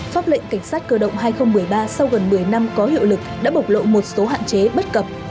pháp lệnh cảnh sát cơ động hai nghìn một mươi ba sau gần một mươi năm có hiệu lực đã bộc lộ một số hạn chế bất cập